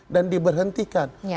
dan di berhentikan